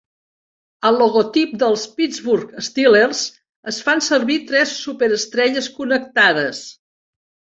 Al logotip dels Pittsburgh Steelers es fan servir tres superestrelles connectades.